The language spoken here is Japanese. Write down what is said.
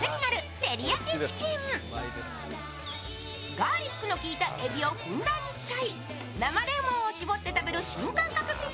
ガーリックのきいたえびをふんだんに使い、生レモンを搾って食べる新感覚ピザ。